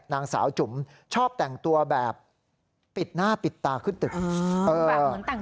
นางสาวจุ๋มชอบแต่งตัวแบบปิดหน้าปิดตาขึ้นตึก